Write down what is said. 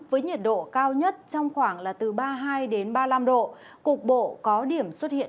với nhiệt độ cao nhất trong khoảng là từ ba mươi hai ba mươi năm độ cục bộ có điểm xuất hiện